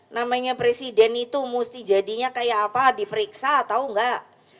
namanya presiden itu mesti jadinya kayak apa diperiksa atau enggak